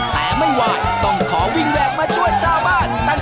ท่าไม่หวายต้องขอวิงแวงมาช่วยชาวบ้าน